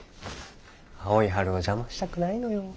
青い春を邪魔したくないのよ。